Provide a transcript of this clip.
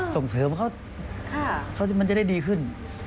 ส่งเสริมเขามันจะได้ดีขึ้น